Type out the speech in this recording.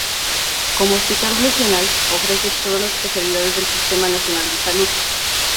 Como hospital regional, ofrece todas las especialidades del Sistema Nacional de Salud.